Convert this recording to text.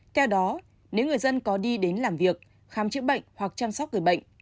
theo đó nếu người dân có đi đến làm việc khám chữa bệnh hoặc chăm sóc người bệnh